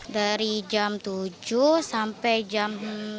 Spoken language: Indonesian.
dari jam tujuh sampai jam dua belas